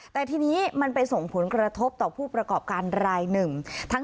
แต่ทีนี้มันไปส่งผลกระทบต่อผู้ประกอบการรายหนึ่ง